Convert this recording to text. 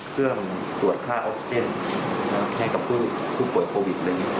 เครื่องตรวจค่าออกซิเจนแทนกับผู้ป่วยโควิดเลยเนี่ย